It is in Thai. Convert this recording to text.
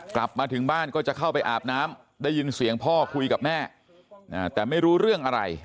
กลับมาถึงบ้านก็จะเข้าไปอาบน้ำได้ยินเสียงพ่อคุยกับแม่แต่ไม่รู้เรื่องอะไร